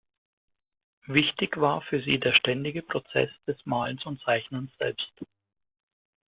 Wichtig war für sie der ständige Prozess des Malens und Zeichnens selbst.